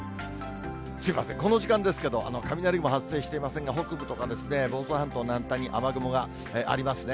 すみません、この時間ですけど、雷雲発生していませんが、北部とかですね、房総半島南端に雨雲がありますね。